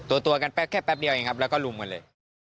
ตัวกันแป๊บแค่แป๊บเดียวเองครับแล้วก็ลุมกันเลย